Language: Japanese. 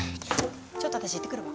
ちょっと私行ってくるわ。